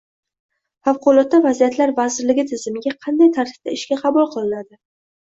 Favqulodda vaziyatlar vazirligi tizimiga qanday tartibda ishga qabul qilinadi?